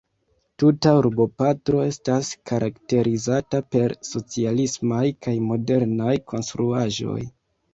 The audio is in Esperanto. Tuta urboparto estas karakterizata per socialismaj kaj modernaj konstruaĵoj.